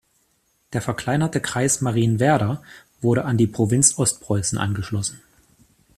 Der verkleinerte Kreis Marienwerder wurde an die Provinz Ostpreußen angeschlossen.